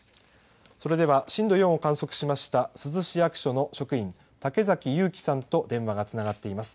それでは震度４を観測しました珠洲市役所の職員、竹崎雄基さんと電話がつながっています。